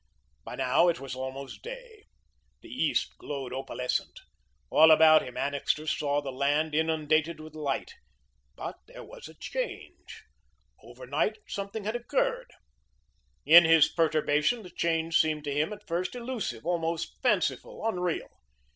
By now it was almost day. The east glowed opalescent. All about him Annixter saw the land inundated with light. But there was a change. Overnight something had occurred. In his perturbation the change seemed to him, at first, elusive, almost fanciful, unreal.